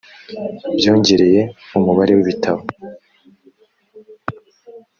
byongereye umubare w ibitabo